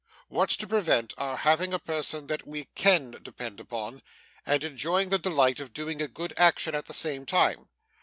What's to prevent our having a person that we CAN depend upon, and enjoying the delight of doing a good action at the same time?